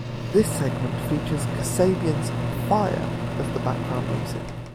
This segment features Kasabian's "Fire" as the background music.